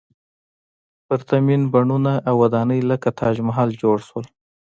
پرتمین بڼونه او ودانۍ لکه تاج محل جوړ شول.